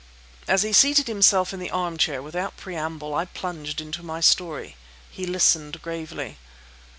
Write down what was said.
As he seated himself in the armchair, without preamble I plunged into my story. He listened gravely.